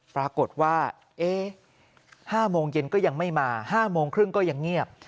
ปรากฏว่า๕โมงเย็นก็ยังไม่มา๕๓๐ก็ยังเงียบ